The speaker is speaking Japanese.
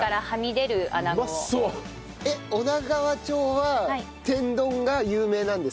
えっ女川町は天丼が有名なんですか？